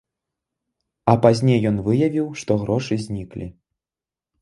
А пазней ён выявіў, што грошы зніклі.